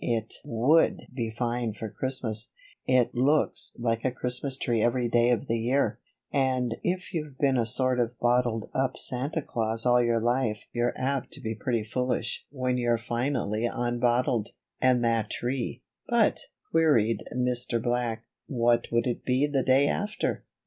It would be fine for Christmas it looks like a Christmas tree every day of the year. And if you've been a sort of bottled up Santa Claus all your life you're apt to be pretty foolish when you're finally unbottled. And that tree " "But," queried Mr. Black, "what would it be the day after?"